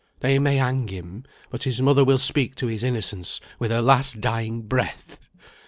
They may hang him, but his mother will speak to his innocence with her last dying breath."